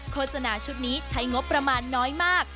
โฆษณาชุดนี้ใช้งบประมาณน้อยมาก